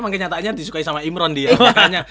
tapi makanya nyatanya disukai sama imron dia